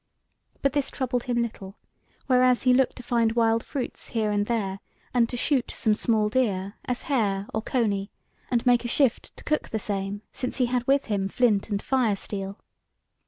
But this troubled him little, whereas he looked to find wild fruits here and there and to shoot some small deer, as hare or coney, and make a shift to cook the same, since he had with him flint and fire steel.